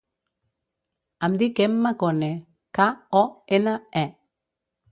Em dic Emma Kone: ca, o, ena, e.